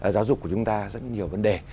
giáo dục của chúng ta rất nhiều vấn đề